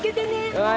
はい。